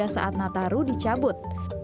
saat nataru dicabut